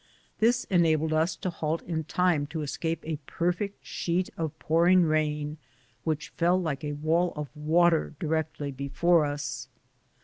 This enabled us to halt in time to escape 52 BOOTS AND SADDLES. a perfect sheet of pouring rain which fell like a wall of water directly before us.